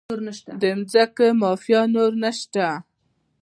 د ځمکو مافیا نور نشته؟